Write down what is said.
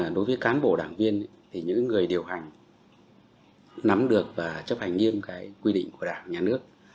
đối với cán bộ đảng viên những người điều hành nắm được và chấp hành nghiêm quy định của đảng và nhà nước